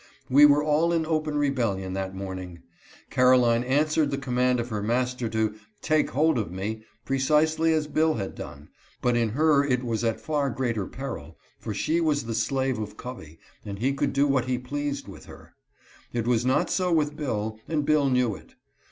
We were all in open rebellion that morning. Caroline answered the command of her master to " take hold of me," pre cisely as Bill had done, but in her it was at far greater peril, for she was the slave of Covey, and he could do what he pleased with her. It was not so with Bill, and Bill knew it.